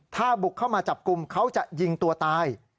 ถ้าบุกเข้ามาจับกลุ่มเขาจะยิงตัวตาย